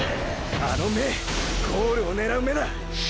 あの目ゴールを狙う目だ！！